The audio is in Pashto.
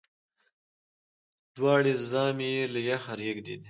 دواړي زامي یې له یخه رېږدېدلې